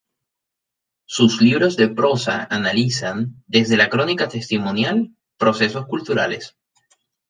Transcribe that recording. Sus libros de prosa analizan, desde la crónica testimonial, procesos culturales.